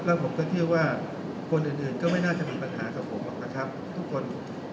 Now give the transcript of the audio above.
แล้วผมก็เชื่อว่าคนอื่นก็ไม่น่าจะมีปัญหากับผมหรอกนะครับทุกคน